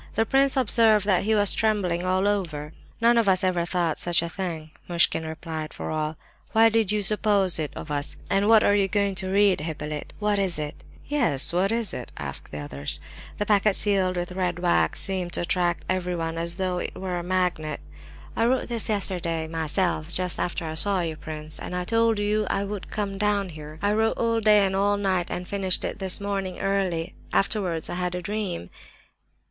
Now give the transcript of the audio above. The prince observed that he was trembling all over. "None of us ever thought such a thing!" Muishkin replied for all. "Why should you suppose it of us? And what are you going to read, Hippolyte? What is it?" "Yes, what is it?" asked others. The packet sealed with red wax seemed to attract everyone, as though it were a magnet. "I wrote this yesterday, myself, just after I saw you, prince, and told you I would come down here. I wrote all day and all night, and finished it this morning early. Afterwards I had a dream."